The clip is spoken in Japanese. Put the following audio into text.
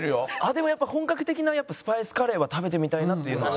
でもやっぱ本格的なスパイスカレーは食べてみたいなというのはありますね。